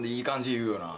言うよな。